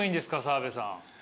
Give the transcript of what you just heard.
澤部さん。